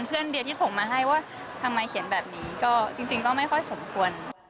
เดียที่ส่งมาให้ว่าทำไมเขียนแบบนี้ก็จริงก็ไม่ค่อยสมควร